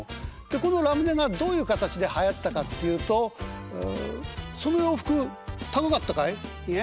でこのラムネがどういう形ではやったかっていうと「その洋服高かったかい？」。